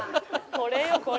「これよこれ」